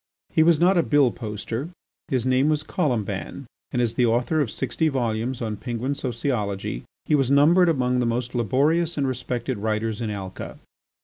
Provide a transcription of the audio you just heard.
He was not a bill poster; his name was Colomban, and as the author of sixty volumes on Penguin sociology he was numbered among the most laborious and respected writers in Alca.